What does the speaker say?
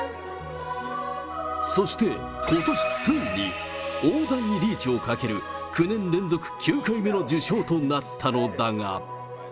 そして、ことしついに、大台にリーチをかける９年連続９回目の受賞となったのだが。